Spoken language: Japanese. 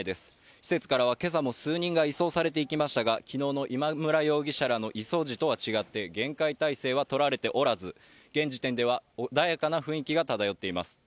施設からは今朝も数人が移送されていきましたが昨日の今村容疑者らの移送時とは違って厳戒態勢は取られておらず現時点では穏やかな雰囲気が漂っています